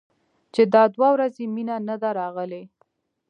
چې دا دوه ورځې مينه نه ده راغلې.